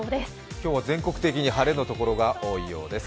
今日は全国的に晴れの所が多いようです。